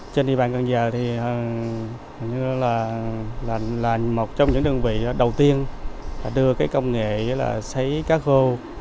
thì là một trong những đơn vị đầu tiên đưa công nghệ sấy cá khô